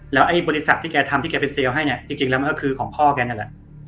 แล้วไอ้บริษัทที่แกทำที่แกไปเซลล์ให้เนี่ยจริงแล้วมันก็คือของพ่อแกนั่นแหละ